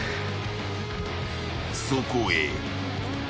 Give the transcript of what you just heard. ［そこへ］